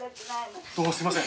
どうもすみません。